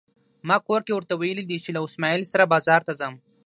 ما کور کې ورته ويلي دي چې له اسماعيل سره بازار ته ځم.